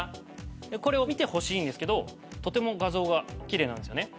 これを見てほしいんですがとても画像が奇麗なんです。